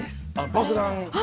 爆弾？